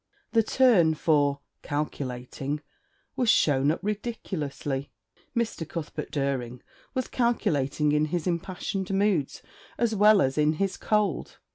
The turn for 'calculating' was shown up ridiculously; Mr. Cuthbert Dering was calculating in his impassioned moods as well as in his cold.